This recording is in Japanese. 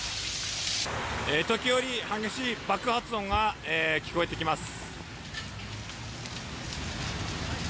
時折、激しい爆発音が聞こえてきます。